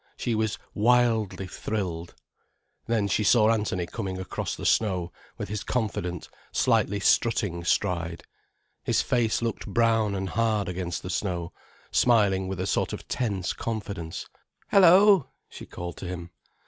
She was wildly thrilled. Then she saw Anthony coming across the snow, with his confident, slightly strutting stride. His face looked brown and hard against the snow, smiling with a sort of tense confidence. "Hello!" she called to him.